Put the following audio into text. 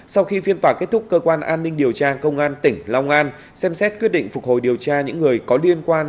sau khi phiên tòa kết thúc cơ quan an ninh điều tra công an tỉnh long an xem xét quyết định phục hồi điều tra những người có liên quan